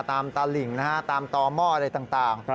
ตะหลิ่งนะฮะตามต่อหม้ออะไรต่าง